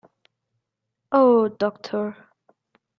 Oh, Doctor